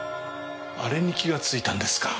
あれに気がついたんですか。